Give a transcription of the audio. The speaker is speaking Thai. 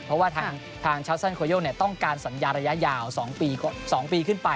เพราะว่าทางชาวซันโคโยต้องการสัญญาระยะยาว๒ปีขึ้นไป